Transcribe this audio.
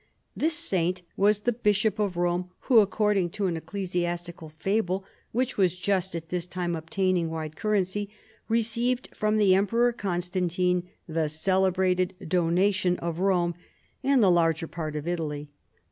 This saint was the Bishop of Rome who, according to an eccle siastical fable which was just at this time obtaining wide currency, received from the Emperor Constan tino tlie celebrated "Donation" of Rome and the larger part of Italy.